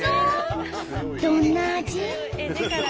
どんな味？